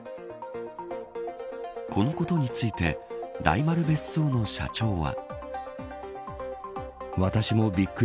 このことについて大丸別荘の社長は。